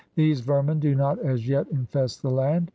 These vermin do not as yet infest the land.